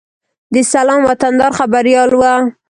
د سلام وطندار خبریال و.